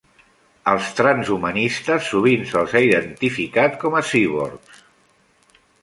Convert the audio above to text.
Als transhumanistes sovint se'ls ha identificat com a cíborgs.